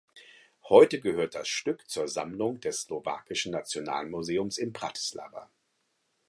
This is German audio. Heute gehört das Stück zur Sammlung des Slowakischen Nationalmuseums in Bratislava.